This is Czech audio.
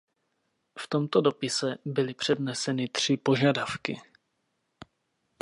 V tomto dopise byly předneseny tři požadavky.